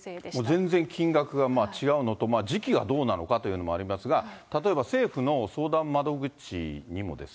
全然金額が違うのと、時期がどうなのかというのもありますが、例えば政府の相談窓口にも。